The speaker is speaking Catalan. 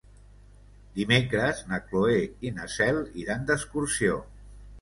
Dimecres na Cloè i na Cel iran d'excursió.